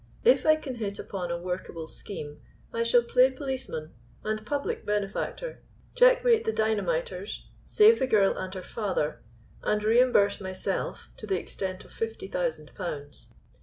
If I can hit upon a workable scheme I shall play policeman and public benefactor, checkmate the dynamiters, save the girl and her father, and reimburse myself to the extent of fifty thousand pounds.